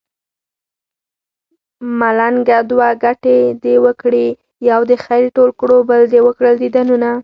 ملنګه دوه ګټې دې وکړې يو دې خير ټول کړو بل دې وکړل ديدنونه